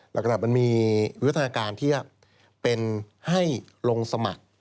แล้วก็มีวิวสถานการณ์ที่เป็นให้ลงสมัคร